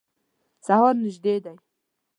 سهار نیژدي دی